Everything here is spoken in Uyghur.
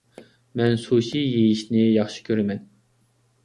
مەن سۇشى يېيىشنى ياخشى كۆرىمەن.